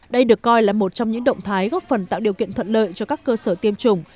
đây được coi là một trong những động thái góp phần tạo điều kiện thuận lợi cho các cơ sở tiêm chủng